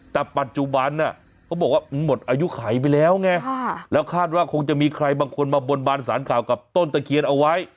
แต่ปัจจุบันเขาบอกว่าหมดอายุไขไปแล้วไงแล้วคาดว่าคงจะมีใครบางคนมาบนบานสารข่าวกับต้นตะเคียนเอาไว้